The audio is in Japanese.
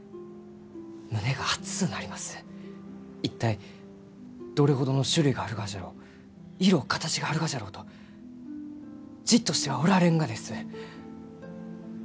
一体どれほどの種類があるがじゃろう色形があるがじゃろうとじっとしてはおられんがです！